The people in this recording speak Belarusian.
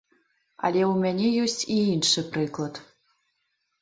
Але ў мяне ёсць і іншы прыклад.